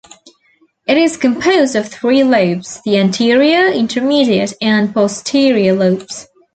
It is composed of three lobes: the anterior, intermediate, and posterior lobes.